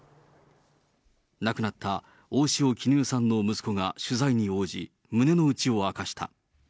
亡くなった大塩衣与さんの息子が取材に応じ、胸の内を明かした。